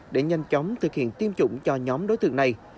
để nhanh chóng thực hiện tiêm chủng cho nhóm đối tượng này